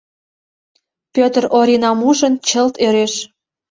Пӧтыр, Оринам ужын, чылт ӧреш.